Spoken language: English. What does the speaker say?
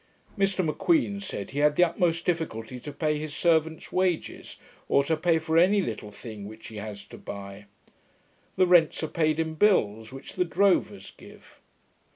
Mr M'Queen said he had the utmost difficulty to pay his servants' wages, or to pay for any little thing which he has to buy. The rents are paid in bills, which the drovers give.